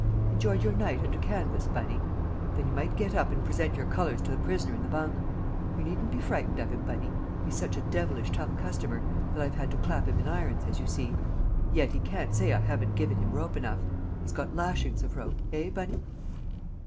"Enjoyed your night under canvas, Bunny? Then you might get up and present your colours to the prisoner in the bunk. You needn't be frightened of him, Bunny; he's such a devilish tough customer that I've had to clap him in irons, as you see. Yet he can't say I haven't given him rope enough; he's got lashings of rope eh, Bunny?"